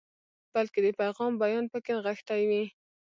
بلکې د پیغام بیان پکې نغښتی وي.